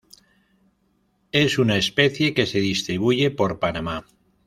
Es una especie que se distribuye por Panamá.